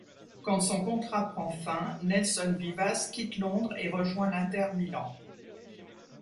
Quand son contrat prend fin, Nelson Vivas quitte Londres et rejoint l'Inter Milan.